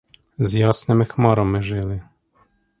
З ясними хмарами жили.